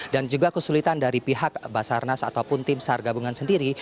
dan juga kesulitan dari pihak basarnas ataupun tim sargabungan sendiri